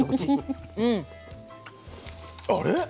あれ？